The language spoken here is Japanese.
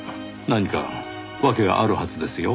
何か訳があるはずですよ。